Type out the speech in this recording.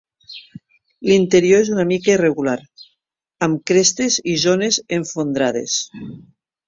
L'interior és una mica irregular, amb crestes i zones esfondrades.